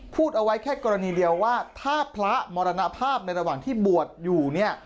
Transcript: พูดเอาไว้แค่กรณีเดียวว่าถ้าพระมรณภาพในระหว่างที่บวชอยู่เนี่ย